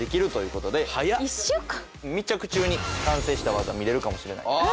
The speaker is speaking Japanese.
密着中に完成した技見れるかもしれない。